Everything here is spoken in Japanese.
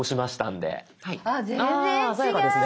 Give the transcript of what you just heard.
あ鮮やかですね。